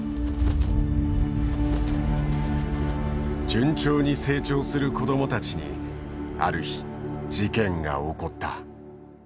順調に成長する子供たちにある日事件が起こった。